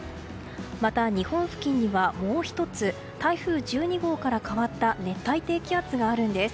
また、日本付近にはもう１つ台風１２号から変わった熱帯低気圧があるんです。